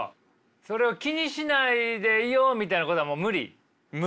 それを気にしないでいようみたいなことはもう無理？